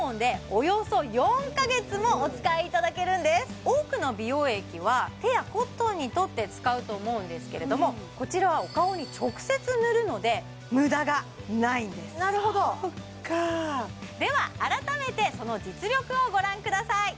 実は多くの美容液は手やコットンに取って使うと思うんですけれどもこちらはお顔に直接塗るので無駄がないんですなるほどそっかーでは改めてその実力をご覧ください